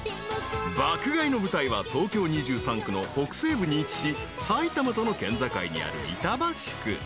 ［爆買いの舞台は東京２３区の北西部に位置し埼玉との県境にある］